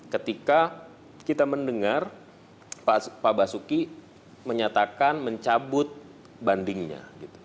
ketika kita mendengar pak basuki menyatakan mencabut bandingnya